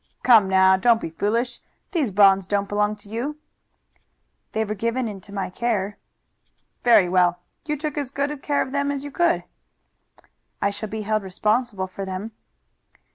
"Come now, don't be foolish. These bonds don't belong to you." "They were given into my care." "Very well! You took as good care of them as you could." "I shall be held responsible for them."